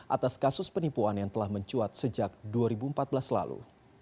atas kasus penipuan yang telah mencuat sejak dua ribu empat belas lalu